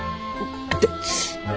痛っ！